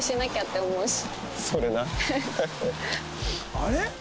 あれ？